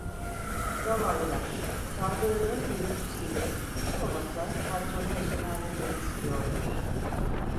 Zavallılar çalgılarının gürültüsü ile hiç olmasa patronu neşelendirmek istiyorlar…